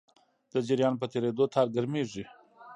د جریان په تېرېدو تار ګرمېږي.